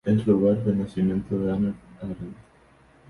Es el lugar de nacimiento de Hannah Arendt.